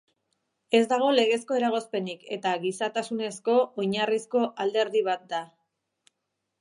Ez dago legezko eragozpenik eta gizatasunezko oinarrizko alderdi bat da.